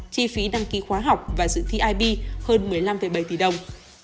chi phí đăng ký khóa học và dự thi ib hơn một mươi năm bảy tỷ đồng